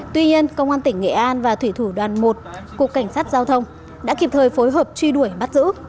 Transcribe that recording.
tuy nhiên công an tỉnh nghệ an và thủy thủ đoàn một cục cảnh sát giao thông đã kịp thời phối hợp truy đuổi bắt giữ